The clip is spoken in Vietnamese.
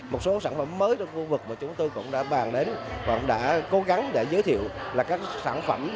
một số sản phẩm mới trong khu vực mà chúng tôi cũng đã bàn đến và cũng đã cố gắng để giới thiệu là các sản phẩm